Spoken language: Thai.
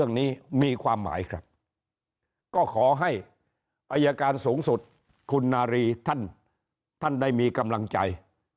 สูงสุดในเรื่องนี้มีความหมายครับก็ขอให้อัยการสูงสุดคุณนารีท่านท่านได้มีกำลังใจ